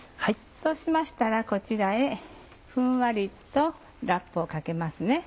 そうしましたらこちらへふんわりとラップをかけます。